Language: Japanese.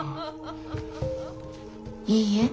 いいえ。